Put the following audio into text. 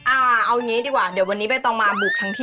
อ่าเอาอย่างนี้ดีกว่าเดี๋ยววันนี้ไม่ต้องมาบุกทั้งที